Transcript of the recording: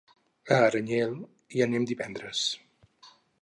A Aranyel hi anem divendres.